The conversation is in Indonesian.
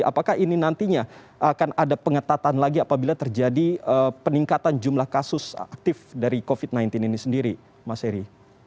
apakah ini nantinya akan ada pengetatan lagi apabila terjadi peningkatan jumlah kasus aktif dari covid sembilan belas ini sendiri mas heri